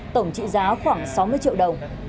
tổng trị giá khoảng sáu mươi triệu đồng